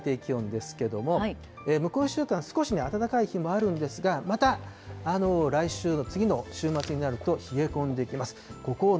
向こう１週間の気温、最低気温ですけれども、向こう１週間、少し暖かく日もあるんですが、また来週の次の週末になると、冷え込んできます。